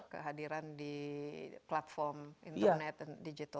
kehadiran di platform internet dan digital